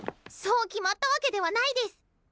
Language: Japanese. そう決まったわけではないデス！